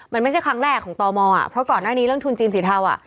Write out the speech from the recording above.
มันไม่ใช่ครั้งแรกของตมอ่ะเพราะก่อนหน้านี้เรื่องทุนจีนสีเทาอ่ะ